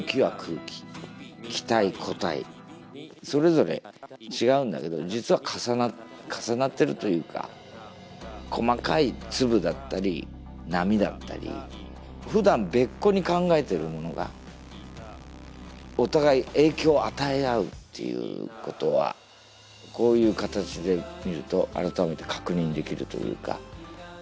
気体固体それぞれ違うんだけど実は重なって重なってるというか細かい粒だったり波だったりふだん別個に考えているものがお互い影響を与え合うっていうことはこういう形で見ると改めて確認できるというか。